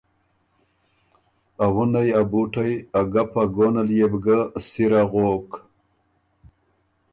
ا وُنئ، ا بُوټئ، ا ګپ ا ګون ال يې بوګۀ سِر اغوک۔